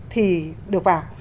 thì được vào